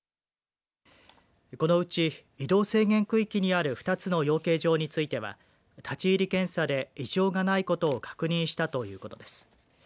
このうち移動制限区域にある２つの養鶏場については立ち入り検査で異常がないことを確認したということです。